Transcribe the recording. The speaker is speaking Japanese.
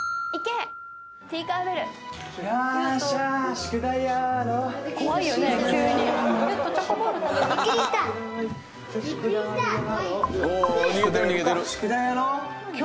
宿題やろう！